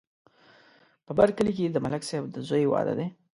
په بر کلي کې د ملک صاحب د زوی واده دی